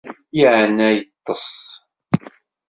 Yeεna yeṭṭes.